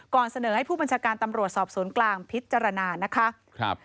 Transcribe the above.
เสนอให้ผู้บัญชาการตำรวจสอบสวนกลางพิจารณานะคะ